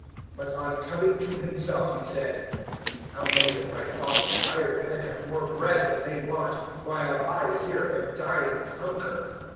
015:017 "But on coming to himself he said, "`How many of my father's hired men have more bread than they want, while I here am dying of hunger!